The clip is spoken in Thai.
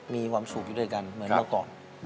มีความสุขอยู่ด้วยกันเหมือนเราก่อน